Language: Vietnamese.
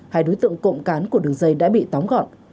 hai đối tượng cộng cán của đường dây đã bị tóm gọn